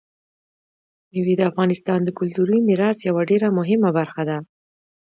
مېوې د افغانستان د کلتوري میراث یوه ډېره مهمه برخه ده.